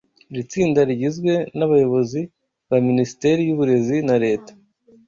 Iri tsinda rigizwe n'abayobozi ba minisiteri y'uburezi na leta